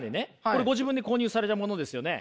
これご自分で購入されたものですよね？